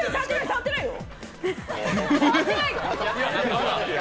触ってないよ！